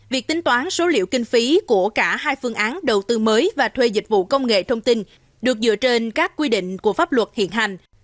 việc tính toán số liệu kinh phí của cả hai phương án đầu tư mới và thuê dịch vụ công nghệ thông tin được dựa trên các quy định của pháp luật hiện hành